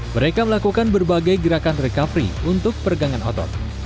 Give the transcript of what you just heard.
mereka melakukan berbagai gerakan recovery untuk pergangan otot